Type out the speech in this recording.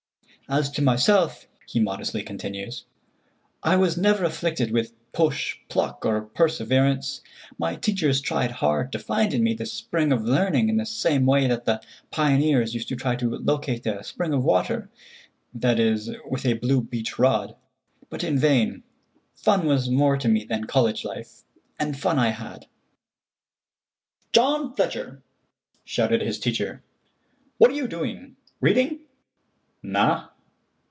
"As to myself," he modestly continues, "I was never afflicted with push, pluck, or perseverance. My teachers tried hard to find in me the spring of learning in the same way that the pioneers used to try to locate a spring of water, viz., with a blue beech rod; but in vain. Fun was more to me than college life, and fun I had." "John Fletcher," shouted his teacher, "what are you doing—reading?" "Na."